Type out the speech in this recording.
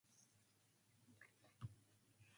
The event was held indoors in Rauma in Finland.